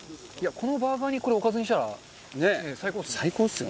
このバーガーにこれ、おかずにしたら最高ですね。